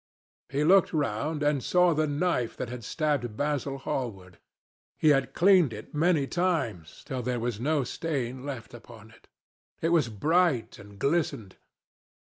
He looked round and saw the knife that had stabbed Basil Hallward. He had cleaned it many times, till there was no stain left upon it. It was bright, and glistened.